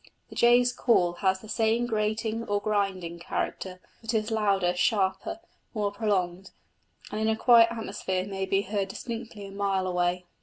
The jay's call has the same grating or grinding character, but is louder, sharper, more prolonged, and in a quiet atmosphere may be heard distinctly a mile away.